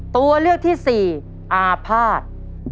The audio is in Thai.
ตัวเลือกที่๔อาภาษณ์